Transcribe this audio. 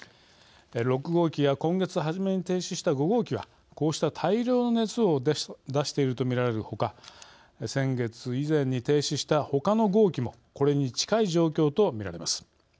６号機や今月初めに停止した５号機はこうした大量の熱を出していると見られる他先月、以前に停止した他の号機もこれに近い状況と見られます。